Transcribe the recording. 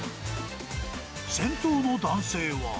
先頭の男性は。